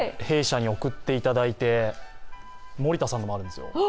弊社に送っていただいて、森田さんのもあるんですよ。